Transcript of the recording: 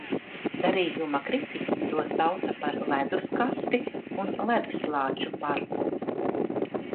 "Darījuma kritiķi to sauca par "ledus kasti" un "leduslāču parku"."